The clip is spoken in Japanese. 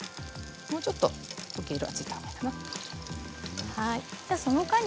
もうちょっと焼き色がついたほうがいいかな。